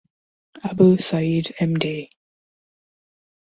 Abu Syed Md.